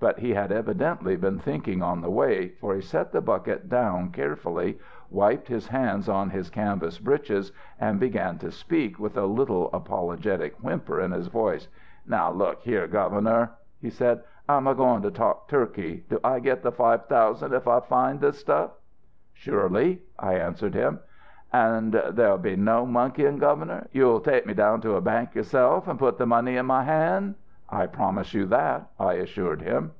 But he had evidently been thinking on the way, for he set the bucket down carefully, wiped his hands on his canvas breeches, and began to speak, with a little apologetic whimper in his voice. "'Now look here, Governor,' he said, 'I'm a goin' to talk turkey; do I get the five thousand if I find this stuff?' "'Surely,' I answered him. "'An' there'll be no monkey'n', Governor; you'll take me down to a bank yourself an' put the money in my hand?' "'I promise you that,' I assured him.